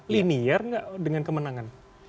linear nggak dengan kemenangan